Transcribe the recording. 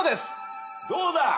どうだ！？